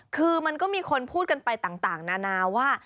คือมันก็มีคนพูดกันไปต่างนานาว่า